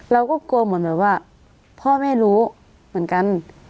เราก็กลัวเหมือนแบบว่าพ่อแม่รู้เหมือนกัน